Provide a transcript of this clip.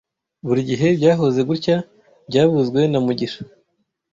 Buri gihe byahoze gutya byavuzwe na mugisha